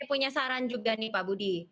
ini punya saran juga nih pak budi